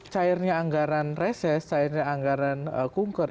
cairnya anggaran reses cairnya anggaran kunker